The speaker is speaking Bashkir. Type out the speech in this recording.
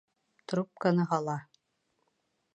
Трубканы һала.